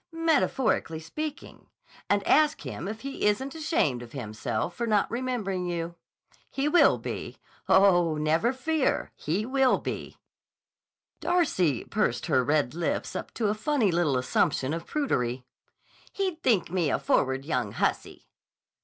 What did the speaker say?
"—metaphorically speaking, and ask him if he isn't ashamed of himself for not remembering you. He will be. Oh, never fear he will be!" Darcy pursed her red lips up to a funny little assumption of prudery. "He'd think me a forward young hussy."